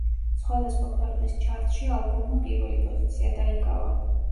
სხვადასხვა ქვეყნის ჩარტში ალბომმა პირველი პოზიცია დაიკავა.